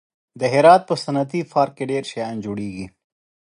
د هرات په صنعتي پارک کې ډېر شیان جوړېږي.